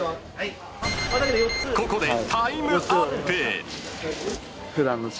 ［ここで］